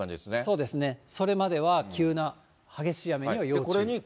そうですね、それまでは急な激しい雨には要注意。